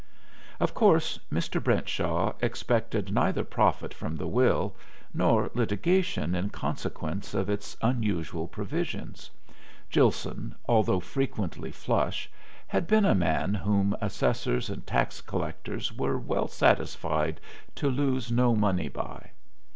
Of course Mr. Brentshaw expected neither profit from the will nor litigation in consequence of its unusual provisions; Gilson, although frequently "flush," had been a man whom assessors and tax collectors were well satisfied to lose no money by.